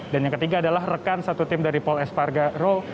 dan yang ketiga adalah rekan satu tim dari paul espargaro